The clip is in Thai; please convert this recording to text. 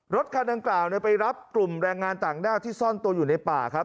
รถคันดังกล่าวไปรับกลุ่มแรงงานต่างด้าวที่ซ่อนตัวอยู่ในป่าครับ